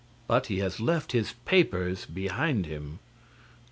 (But he has left his papers behind him.)